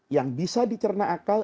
yang bisa dicerna akal